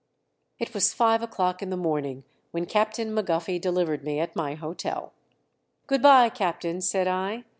It was five o'clock in the morning when Captain Maguffy delivered me at my hotel. "Good by, Captain," said I.